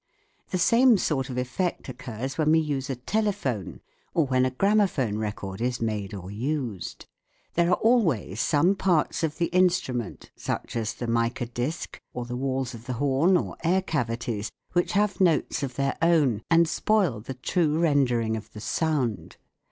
The same sort of effect occurs when we use a telephone, or when a gramophone record is made or used. There are always some parts of the instrument, such as the mica disc, or the walls of the horn, or air cavities, which have notes of their own and spoil the true rendering of the sound.